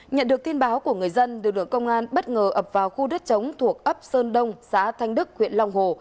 nhận được tin báo của người dân lực lượng công an bất ngờ ập vào khu đất chống thuộc ấp sơn đông xã thanh đức huyện long hồ